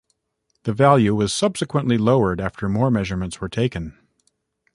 The value was subsequently lowered after more measurements were taken.